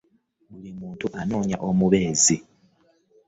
Buli muntu anoonya omubeezi.